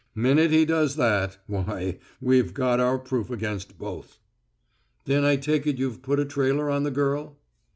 Minute he does that why, we've got our proof against both." "Then I take it you've put a trailer on the girl?"